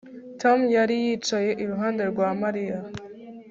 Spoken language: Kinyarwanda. Tom yari yicaye iruhande rwa Mariya